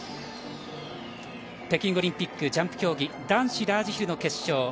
北京オリンピックジャンプ競技男子ラージヒルの決勝